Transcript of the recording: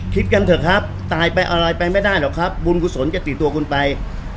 คิดกันเถอะครับตายไปอะไรไปไม่ได้หรอกครับบุญกุศลจะติดตัวคุณไป